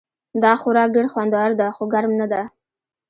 دا خوراک ډېر خوندور ده خو ګرم نه ده